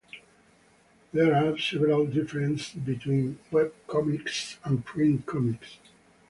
There are several differences between webcomics and print comics.